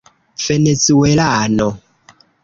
venezuelano